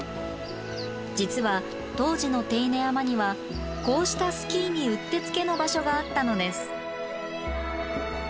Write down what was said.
実は当時の手稲山にはこうしたスキーにうってつけの場所があったのです。